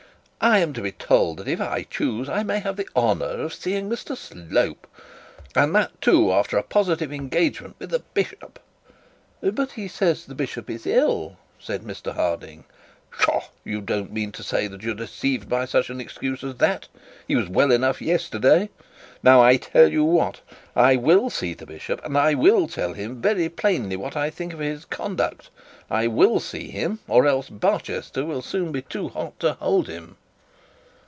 'I am to be told that if I choose I may have the honour of seeing Mr Slope, and that too, after a positive engagement with the bishop.' 'But he says the bishop is ill,' said Mr Harding. 'Pshaw! You don't mean to say that you are deceived by such an excuse as that. He was well enough yesterday. Now I tell you what, I will see the bishop; and I will tell him also very plainly what I think of his conduct. I will see him, or else Barchester will soon be too hot to hold him.'